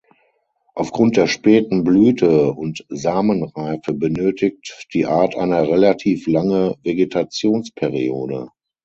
Aufgrund der späten Blüte und Samenreife benötigt die Art eine relativ lange Vegetationsperiode.